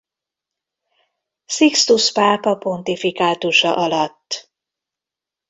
Sixtus pápa pontifikátusa alatt.